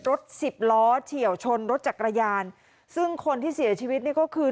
สิบล้อเฉียวชนรถจักรยานซึ่งคนที่เสียชีวิตนี่ก็คือ